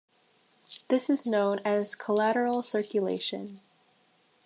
This is known as collateral circulation.